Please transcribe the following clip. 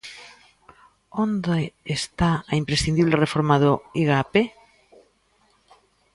¿Onde está a imprescindible reforma do Igape?